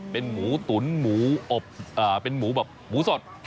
เป็นหมูตุ๋นหมูอบเป็นหมูแบบหมูสด